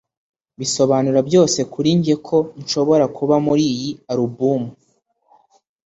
bisobanura byose kuri njye ko nshobora kuba muri iyi alubumu